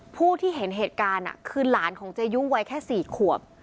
ผู้ที่เห็นเหตุการณ์คือหลานของเจยุวัยแค่๔ขวบ